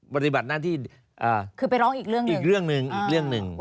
ปฏิบัติหน้าที่อีกเรื่องหนึ่ง